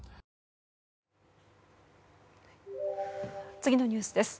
次のニュースです。